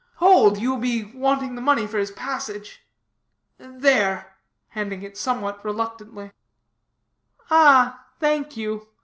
Hold, you will be wanting the money for his passage. There," handing it somewhat reluctantly. "Ah, thank you.